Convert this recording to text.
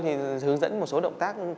thì hướng dẫn một số động tác